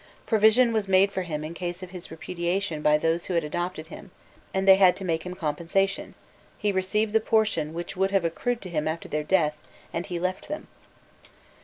Provision was made for him in case of his repudiation by those who had adopted him, and they had to make him compensation: he received the portion which would have accrued to him after their death, and he then left them.